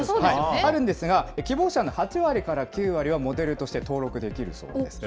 あるんですが、希望者の８割から９割は、モデルとして登録できるそうです。